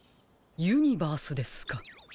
ユニバースですか。